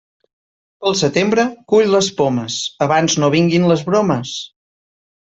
Pel setembre, cull les pomes, abans no vinguen les bromes.